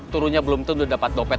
turunnya belum tentu dapat dompet